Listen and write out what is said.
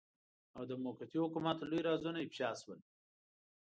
او د موقتي حکومت لوی رازونه افشاء شول.